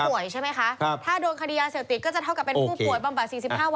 ถ้าโดนคดียาเสพติดก็จะเท่ากับเป็นผู้ป่วยบำบัด๔๕วันไหม